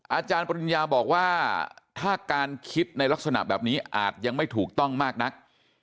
อาจารย์ปริญญาบอกว่าถ้าการคิดในลักษณะแบบนี้อาจยังไม่ถูกต้องมากนัก